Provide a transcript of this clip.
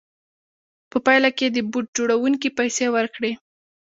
په پایله کې یې د بوټ جوړوونکي پیسې ورکړې